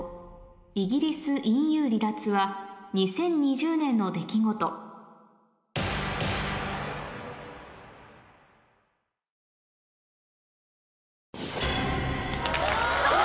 イギリスＥＵ離脱は２０２０年の出来事うわ！